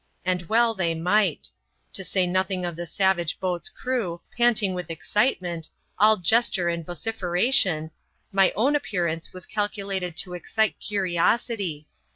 And well they might. To say nothing of the savage boat's crew, panting with excitement, all gesture and vociferation, my own aj^earance was calculated to excite curiosity.